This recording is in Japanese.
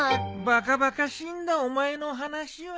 バカバカしいんだお前の話は。